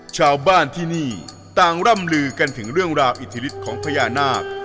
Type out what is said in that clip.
ชาวบ้านที่นี่ต่างร่ำลือกันถึงเรื่องราวอิทธิฤทธิ์ของพญานาค